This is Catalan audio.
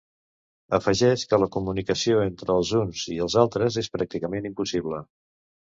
Afegeix que la comunicació entre els uns i els altres és pràcticament impossible.